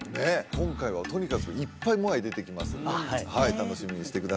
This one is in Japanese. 今回はとにかくいっぱいモアイ出てきますんで楽しみにしてください